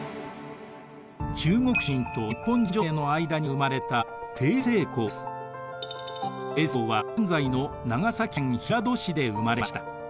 中国商人と日本人女性の間に生まれた成功は現在の長崎県平戸市で生まれました。